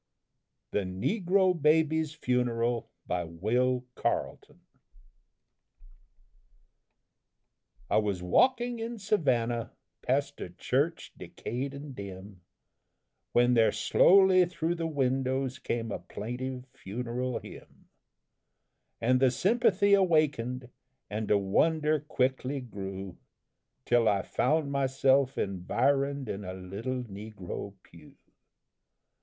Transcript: THE NEGRO BABY'S FUNERAL. I was walking in Savannah, past a church decayed and dim, When there slowly through the windows came a plaintive funeral hymn; And the sympathy awakened, and a wonder quickly grew, Till I found myself environed in a little negro pew.